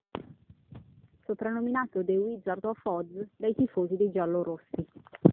Soprannominato "The Wizard of Oz" dai tifosi dei giallo rossi.